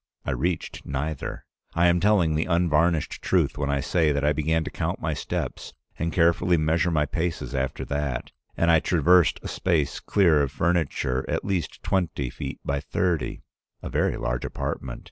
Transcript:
I reached neither. I am telling the unvarnished truth when I say that I began to count my steps and carefully measure my paces after that, and I traversed a space clear of furniture at least twenty feet by thirty — a very large apartment.